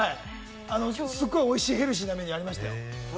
すごいおいしいヘルシーなメニューありましたよ。